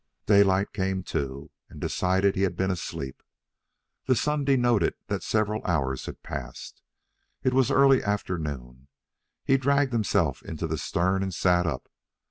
Daylight came to, and decided he had been asleep. The sun denoted that several hours had passed. It was early afternoon. He dragged himself into the stern and sat up.